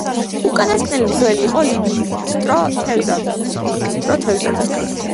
უკანასკნელი მღვდელი იყო სილიბისტრო თევზაძე.